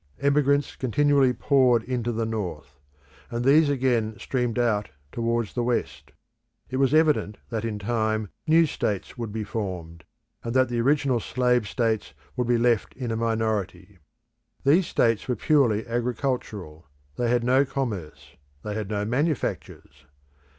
Emigrants continually poured into the North; and these again streamed out towards the West. It was evident that in time new states would be formed, and that the original slave states would be left in a minority. These states were purely agricultural; they had no commerce; they had no manufactures.